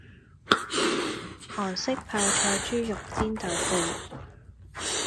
韓式泡菜豬肉煎豆腐